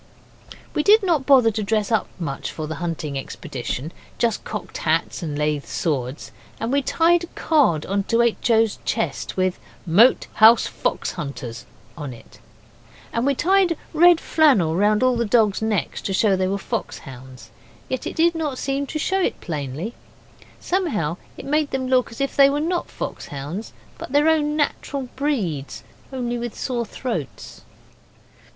We did not bother to dress up much for the hunting expedition just cocked hats and lath swords; and we tied a card on to H. O.'s chest with 'Moat House Fox Hunters' on it; and we tied red flannel round all the dogs' necks to show they were fox hounds. Yet it did not seem to show it plainly; somehow it made them look as if they were not fox hounds, but their own natural breeds only with sore throats.